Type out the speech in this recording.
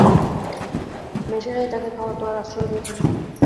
মেষেরাই তাকে খাওয়াত আর আশ্রয়ও দিয়েছিল।